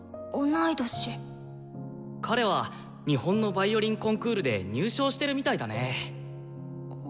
彼は日本のヴァイオリンコンクールで入賞してるみたいだね。